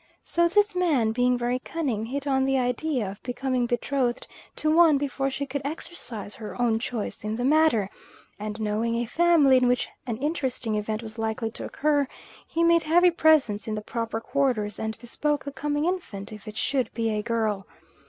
So this man, being very cunning, hit on the idea of becoming betrothed to one before she could exercise her own choice in the matter; and knowing a family in which an interesting event was likely to occur, he made heavy presents in the proper quarters and bespoke the coming infant if it should be a girl.